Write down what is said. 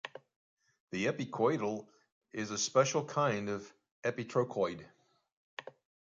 The epicycloid is a special kind of epitrochoid.